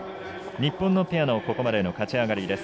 日本のペアのここまでの勝ち上がりです。